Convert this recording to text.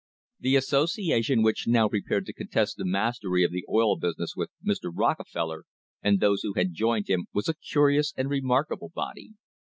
The association which now prepared to contest the mastery of the oil business with Mr. Rockefeller and those who had joined him was a curious and a remarkable body.